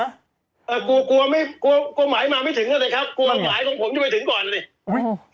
กลัวหมายมาไม่ถึงก็ได้ครับกลัวหมายของผมจะไปถึงก่อนเลย